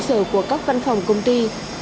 tòa nhà là trụ sở của các văn phòng công ty